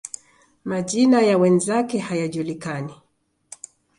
Majina ya wenzake hayajulikani.